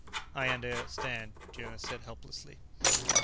"I understand," Jonas said helplessly.